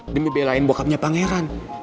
demi belain bokapnya pangeran